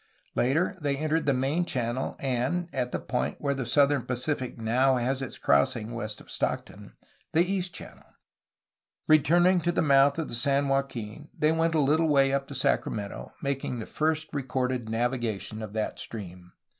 Later they entered the main channel and (at the point where the Southern Pacific now has its crossing west of Stockton) the east channel. Returning to the mouth of the San Joaquin, they went a Uttle way up the Sacramento, making the first recorded navigation of that stream.